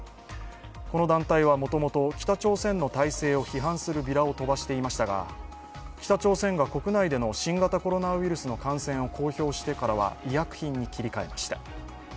この団体はもともと北朝鮮の体制を批判するビラを飛ばしていましたが、北朝鮮が国内での新型コロナウイルスの感染を公表してからは医薬品に切り替えました。